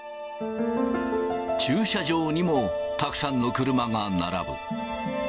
駐車場にもたくさんの車が並ぶ。